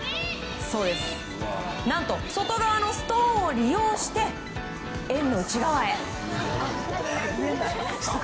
何と、外側のストーンを利用して円の内側へ。